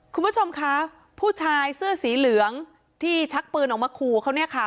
คุณผู้ชมคะผู้ชายเสื้อสีเหลืองที่ชักปืนออกมาขู่เขาเนี่ยค่ะ